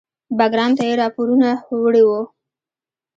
بګرام ته یې راپورونه وړي وو.